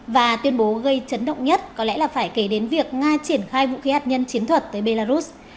và tuyên bố gây chấn động nhất có lẽ là phải kể đến việc nga triển khai vũ khí hạt nhân chiến thuật tới belarus